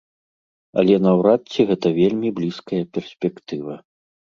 Але наўрад ці гэта вельмі блізкая перспектыва.